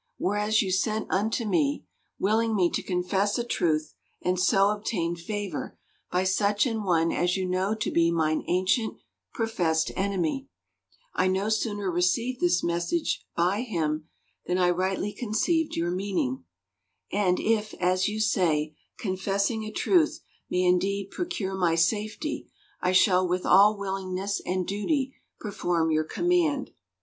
Whereas you sent unto me (willing me to confess a truth and so obtain favor) by such an one as you know to be mine ancient, professed enemy; I no sooner received this message by him than I rightly conceived your meaning; and if, as you say, confessing a truth may indeed procure my safety, I shall with all willingness and duty perform your command.